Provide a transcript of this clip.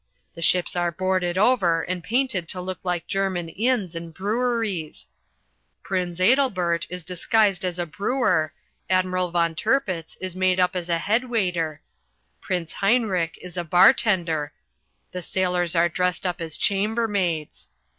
The ships are boarded over and painted to look like German inns and breweries. Prinz Adelbert is disguised as a brewer, Admiral von Tirpitz is made up as a head waiter, Prince Heinrich is a bar tender, the sailors are dressed up as chambermaids.